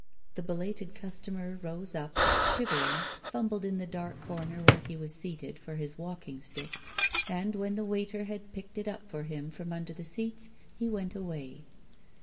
The belated customer rose up, shivering, fumbled in the dark corner where he was seated for his walking stick, and when the waiter had picked it up for him from under the seats he went away.